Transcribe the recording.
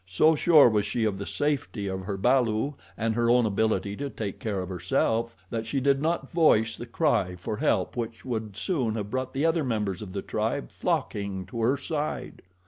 So sure was she of the safety of her balu and her own ability to take care of herself that she did not voice the cry for help which would soon have brought the other members of the tribe flocking to her side.